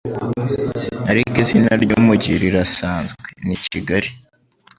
Ariko izina ry'umujyi rirasanzwe ni kigali